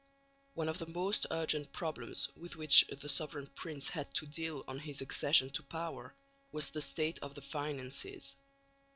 One of the most urgent problems with which the Sovereign Prince had to deal on his accession to power was the state of the finances.